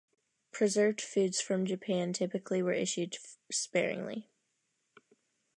Preserved foods from Japan typically were issued sparingly.